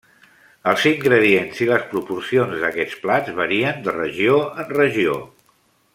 Els ingredients i les proporcions d'aquests plats varien de regió en regió.